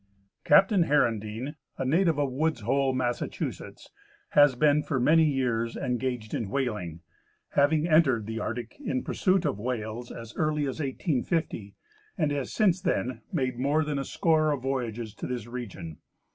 Captain Herendeen, a native of Woods IIoll, Massachusetts, has been for many years engaged in whaling, having entered the Arctic in pursuit of whales as early as 1850, and has since then made more than 9, score of voyages to this region.